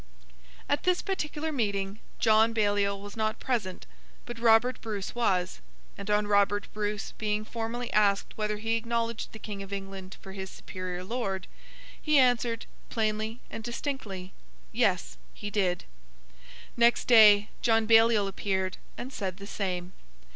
At this particular meeting John Baliol was not present, but Robert Bruce was; and on Robert Bruce being formally asked whether he acknowledged the King of England for his superior lord, he answered, plainly and distinctly, Yes, he did. Next day, John Baliol appeared, and said the same.